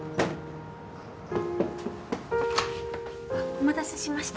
お待たせしました